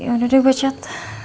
ya udah deh gue chat